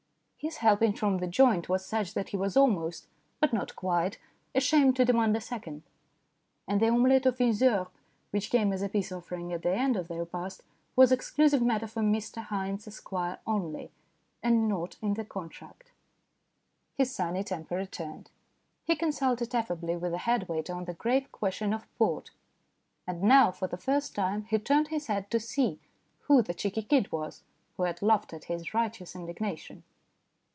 His helping from the joint was such that he was almost (but not quite) ashamed to demand a second. And the omelette aux fines herbes, which came as a peace offering at the end of the repast, was exclusive matter for M. Haynes, Esq., only, and not in the contract. His sunny temper returned. He consulted affably with the head waiter on the grave question of port. And now, for the first time, he turned his head to see who the cheeky kid was who had laughed at his righteous indignation.